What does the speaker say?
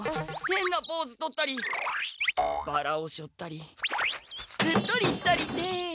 へんなポーズとったりバラをしょったりうっとりしたりで。